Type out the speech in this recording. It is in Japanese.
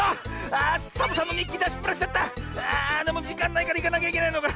あでもじかんないからいかなきゃいけないのか。